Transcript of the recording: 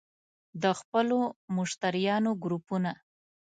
- د خپلو مشتریانو ګروپونه